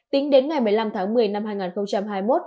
tính đến ngày một mươi năm tháng một mươi năm hai nghìn hai mươi một